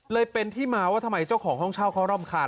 เลยเป็นที่มาว่าทำไมเจ้าของห้องเช่าเขาร่ำคาญ